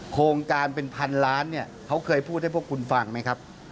โครงการเป็นพันล้านเนี่ยเขาเคยพูดให้พวกคุณฟังไหมครับ